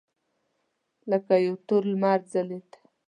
لکه یو تور لمر ځلېده.